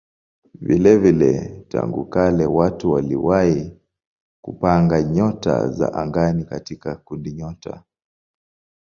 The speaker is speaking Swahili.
Vilevile tangu kale watu waliwahi kupanga nyota za angani katika kundinyota.